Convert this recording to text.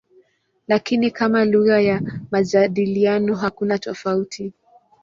Lakini kama lugha ya majadiliano hakuna tofauti.